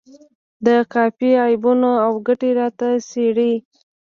د قافیې عیبونه او ګټې راته څیړي.